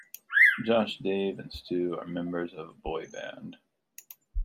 Josh, Dave and Stu are members of a boy band.